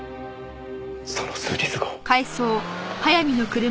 その数日後。